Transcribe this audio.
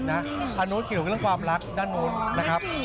นุษย์เกี่ยวกับเรื่องความรักด้านนู้นนะครับ